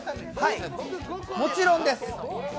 もちろんです。